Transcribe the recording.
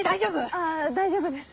あぁ大丈夫です。